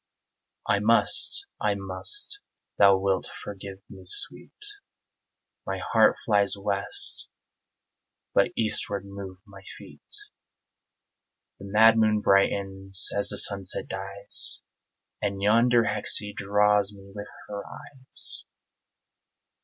I must I must! Thou wilt forgive me, sweet; My heart flies west but eastward move my feet; The mad moon brightens as the sunset dies, And yonder hexie draws me with her eyes.